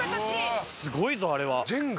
すごいぞあれは。